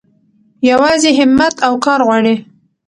يوازې هيمت او کار غواړي.